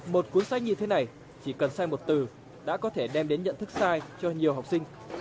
một cuốn sách như thế này chỉ cần sai một từ đã có thể đem đến nhận thức sai cho nhiều học sinh